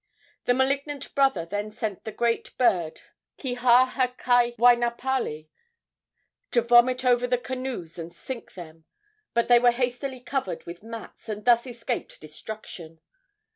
The malignant brother then sent the great bird Kihahakaiwainapali to vomit over the canoes and sink them; but they were hastily covered with mats, and thus escaped destruction.